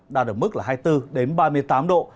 đạt được mức là hai mươi bốn ba mươi tám độ